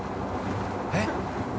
えっ？